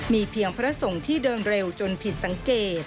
มีเพียงพระสงฆ์ที่เดินเร็วจนผิดสังเกต